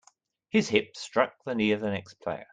His hip struck the knee of the next player.